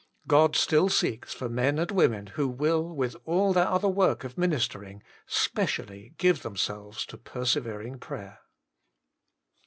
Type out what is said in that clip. God still seeks for men and women who will, with all their other work of ministering, specially give themselves to persevering prayer.